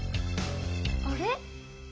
あれ？